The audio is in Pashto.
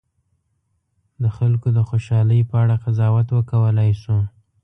د خلکو د خوشالي په اړه قضاوت وکولای شو.